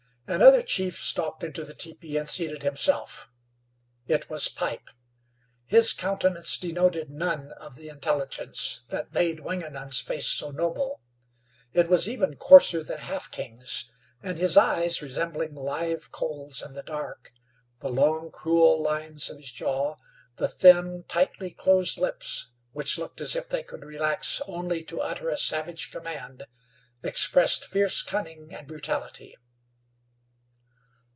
Another chief stalked into the teepee and seated himself. It was Pipe. His countenance denoted none of the intelligence that made Wingenund's face so noble; it was even coarser than Half King's, and his eyes, resembling live coals in the dark; the long, cruel lines of his jaw; the thin, tightly closed lips, which looked as if they could relax only to utter a savage command, expressed fierce cunning and brutality.